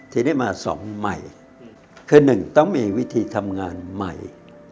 ทีนี้มา๒ใหม่คือ๑ต้องมีวิธีทำงานใหม่